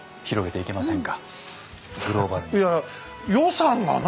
いや予算がな。